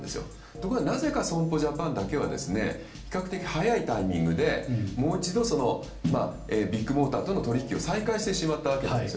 ところがなぜか損保ジャパンだけは比較的早いタイミングでもう一度、ビッグモーターとの取引を再開してしまったわけです。